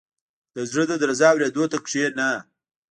• د زړه د درزا اورېدو ته کښېنه.